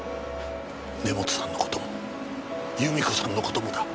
根本さんの事も由美子さんの事もだ。